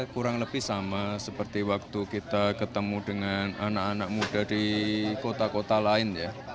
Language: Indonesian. kurang lebih sama seperti waktu kita ketemu dengan anak anak muda di kota kota lain ya